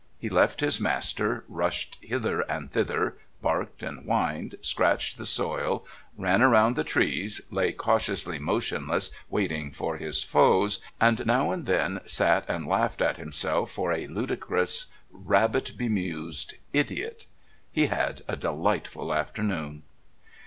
He left his master, rushed hither and thither, barked and whined, scratched the soil, ran round the trees, lay cautiously motionless waiting for his foes, and now and then sat and laughed at himself for a ludicrous rabbit bemused idiot. He had a delightful afternoon...